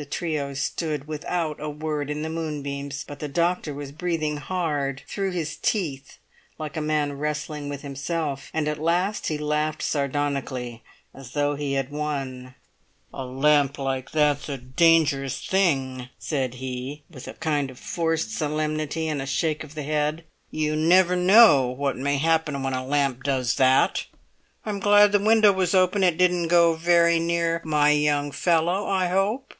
The trio stood without a word in the moonbeams; but the doctor was breathing hard through his teeth, like a man wrestling with himself; and at last he laughed sardonically as though he had won. "A lamp like that's a dangerous thing," said he, with a kind of forced solemnity and a shake of the head; "you never know what may happen when a lamp does that! I'm glad the window was open; it didn't go very near my young fellow, I hope?"